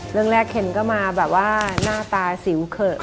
เรื่องแรกเคนก็มาแบบว่าหน้าตาสิวเขิบ